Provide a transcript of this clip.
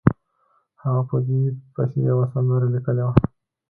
هغه په دې پسې یوه سندره لیکلې وه.